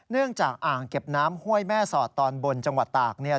เนื่องจากอ่างเก็บน้ำห้วยแม่สอดตอนบนจังหวัดตากเนี่ย